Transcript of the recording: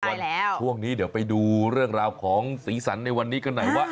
ส่วนช่วงนี้เดี๋ยวไปดูเรื่องราวของสีสันในวันนี้กันหน่อยว่า